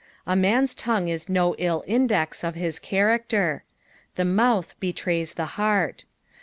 A man's tongue is no ill indes of hia chanuiter. The mouth betrays the heart.